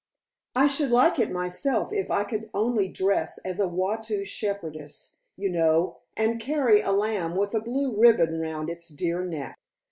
"I should like it myself if I could only dress as a Watteau shepherdess, you know, and carry a lamb with a blue ribbon round its dear neck."